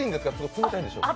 冷たいんでしょうか？